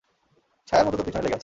ছায়ার মতো তোর পিছে লেগে আছে।